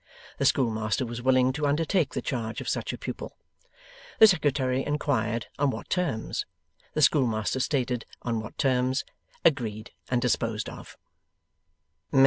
The schoolmaster was willing to undertake the charge of such a pupil. The Secretary inquired on what terms? The schoolmaster stated on what terms. Agreed and disposed of.